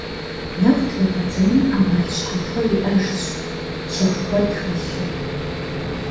Нэху трегъэдзэным ӏэмал щхьэхуэ иӏэжщ, щэху куэд хэлъу.